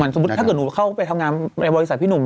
สมมุติถ้าเกิดหนูเข้าไปทำงานในบริษัทพี่หนุ่ม